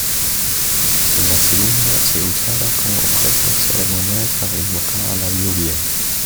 La segunda se usaba como objeto ceremonial para invocar a la lluvia.